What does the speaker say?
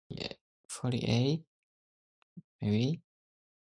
Fix a theory "T" with a model "M".